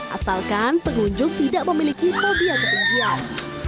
asalkan pengunjung tidak memiliki fobia ke pinggian